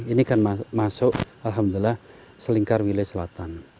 ini kan masuk alhamdulillah selingkar wilayah selatan